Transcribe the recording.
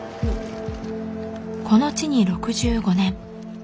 この地に６５年。